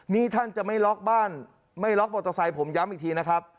นี่ท่านจะไม่ล็อกบ้านไม่ล็อกมอเตอร์ไซค์ผมย้ำอีกทีนะครับ